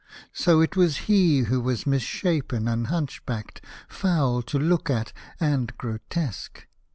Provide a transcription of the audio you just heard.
So it was he who was misshapen and hunchbacked, foul to look at and gro tesque.